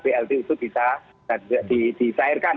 blt itu bisa disairkan